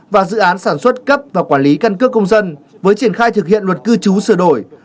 và dự án sản xuất cấp và quản lý căn cước công dân với triển khai thực hiện luật cư trú sửa đổi